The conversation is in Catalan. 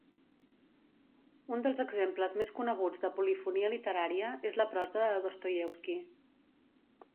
Un dels exemples més coneguts de polifonia literària és la prosa de Dostoievski.